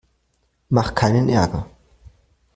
Mach keinen Ärger!